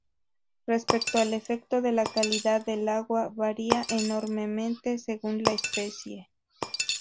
Respecto al efecto de la calidad del agua, varía enormemente según la especie.